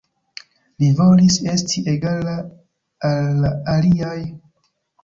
Li volis esti egala al la aliaj.